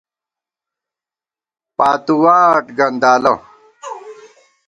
پاتُوواٹ گندالہ